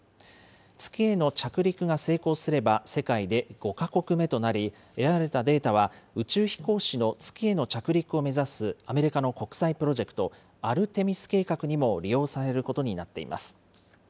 月への着陸が成功すれば、世界で５か国目となり、得られたデータは宇宙飛行士の月への着陸を目指すアメリカの国際プロジェクト、アルテミス計画にも利用されることになっています。